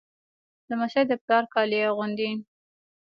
لمسی د پلار کالي اغوندي.